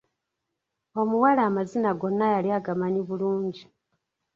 Omuwala amazina gonna yali agamanyi bulungi.